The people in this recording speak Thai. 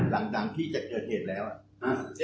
หลังหลังที่จะเกิดเหตุเนี้ยแล้วอ่ะ